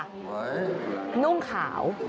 เห้ยนุ่งขาว